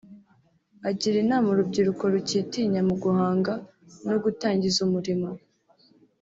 Agira inama urubyiruko rucyitinya mu guhanga no gutangiza umurimo